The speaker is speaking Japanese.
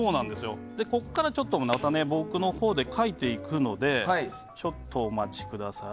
ここから、また僕のほうで描いていくのでちょっとお待ちください。